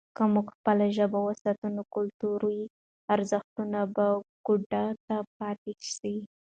که موږ خپله ژبه وساتو، نو کلتوري ارزښتونه به ګوته ته پاتې سي.